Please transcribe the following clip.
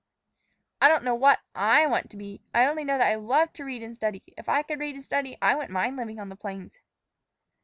"I don't know what I want to be. I only know that I love to read and study. If I could read and study I wouldn't mind living on the plains."